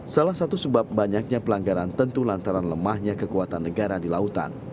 salah satu sebab banyaknya pelanggaran tentu lantaran lemahnya kekuatan negara di lautan